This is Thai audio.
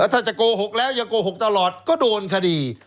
ถ้าจะโกหกแล้วยังโกหกตลอดก็โดนคดี